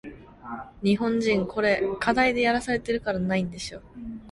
등불을 밝혀 어둠을 조금 내몰고